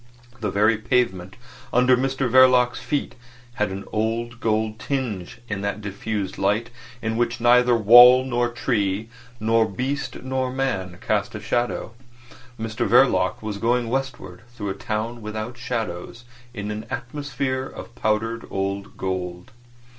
The very pavement under Mr Verloc's feet had an old gold tinge in that diffused light, in which neither wall, nor tree, nor beast, nor man cast a shadow. Mr Verloc was going westward through a town without shadows in an atmosphere of powdered old gold.